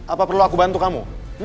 apa perlu aku bantu kamu